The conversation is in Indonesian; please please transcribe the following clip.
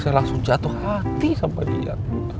saya langsung jatuh hati sampai dia